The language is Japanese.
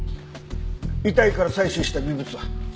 遺体から採取した微物は？